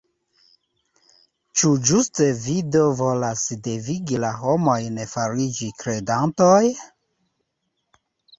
Ĉu ĝuste vi do volas devigi la homojn fariĝi kredantoj?